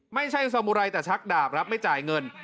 ไม่ใช่สมุไรแต่ชักดาบครับไม่จ่ายเงิน